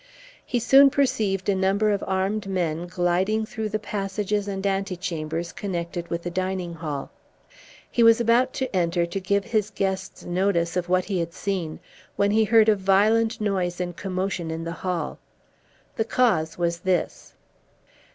He soon perceived a number of armed men gliding through the passages and antechambers connected with the dining hall. He was about to enter to give his guests notice of what he had seen when he heard a violent noise and commotion in the hall. The cause was this.